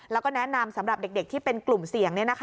แล้วก็แนะนำสำหรับเด็กที่เป็นกลุ่มเสี่ยง